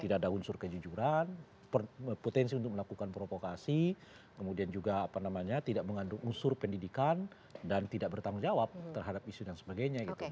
tidak ada unsur kejujuran potensi untuk melakukan provokasi kemudian juga apa namanya tidak mengandung unsur pendidikan dan tidak bertanggung jawab terhadap isu dan sebagainya gitu